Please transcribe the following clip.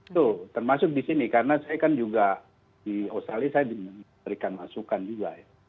itu termasuk di sini karena saya kan juga di australia saya diberikan masukan juga ya